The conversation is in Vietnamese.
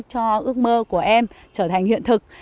cho ước mơ của em trở thành hiện thực